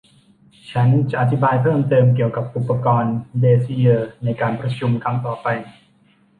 ฉันจะอธิบายเพิ่มเติมเกี่ยวกับอุปกรณ์เบซิเยอร์ในการประชุมครั้งต่อไป